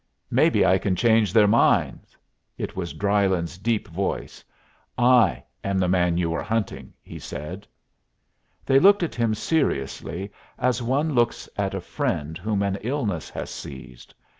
"Maybe I can change their minds." It was Drylyn's deep voice. "I am the man you were hunting," he said. [Illustration: "'I'D LIKE TO HAVE IT OVER'"] They looked at him seriously, as one looks at a friend whom an illness has seized.